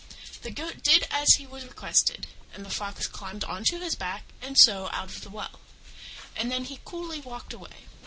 The Goat did as he was requested, and the Fox climbed on to his back and so out of the well; and then he coolly walked away.